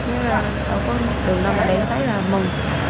chứ đường nào mà đi thấy là mừng